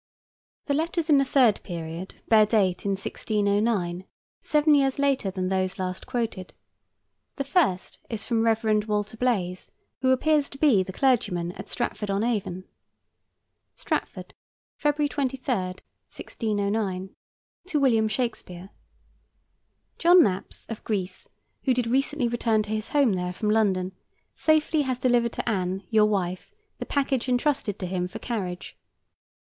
The letters in the third period bear date in 1609, seven years later than those last quoted. The first is from Rev. Walter Blaise, who appears to be the clergyman at Stratford on Avon. STRATFORD, Feb. 23, 1609. TO WILLIAM SHAKESPEARE: John Naps, of Greece, who did recently return to his home here from London, safely has delivered to Anne, your wife, the package entrusted to him for carriage.